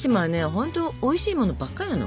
ほんとおいしいものばっかりなの。